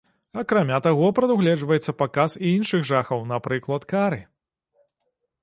Акрамя таго прадугледжваецца паказ і іншых жахаў, напрыклад, кары.